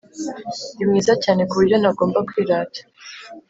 ndi mwiza cyane kuburyo ntagomba kwirata